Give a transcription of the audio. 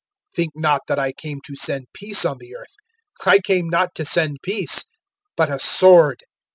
(34)Think not that I came to send peace on the earth; I came not to send peace, but a sword.